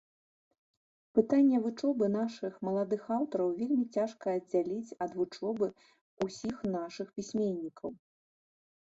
Пытанне вучобы нашых маладых аўтараў вельмі цяжка аддзяліць ад вучобы ўсіх нашых пісьменнікаў.